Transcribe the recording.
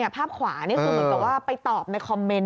ภาพขวานี่คือเหมือนกับว่าไปตอบในคอมเมนต์